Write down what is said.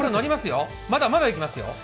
まだいきますよ